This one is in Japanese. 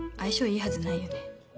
いいはずないよね。